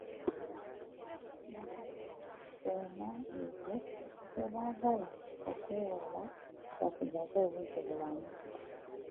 Basobola okukuuma ekyo kye baagala okwewala, basigaze obuntubulamu.